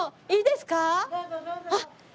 いいですか？